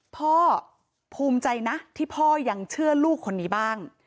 พ่อภูมิใจนะที่พ่อยังเชื่อลูกคนนี้บ้าง